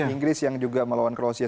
inggris yang juga melawan kroasia